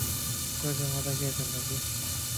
চোখের মাথা খেয়েছেন নাকি?